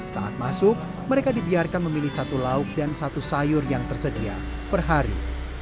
saat masuk mereka dibiarkan memilih satu lauk dan satu sayur yang tersedia per hari